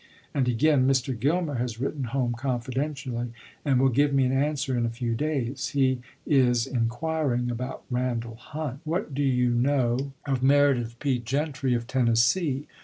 And again: ms. " Mr. Gilmer has written home confidentially, and will give me an answer in a few days. He is in quiring about Randall Hunt. What do you know 364 ABRAHAM LINCOLN ch. xxii. of Meredith P. Gentry, of Tennessee